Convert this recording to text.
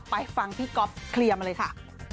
ไปฟังพี่ก๊อฟเคลียร์มาเลยค่ะ